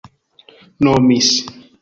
nomis